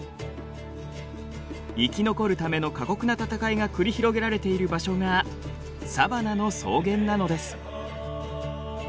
生き残るための過酷な戦いが繰り広げられている場所がサバナの草原なのです。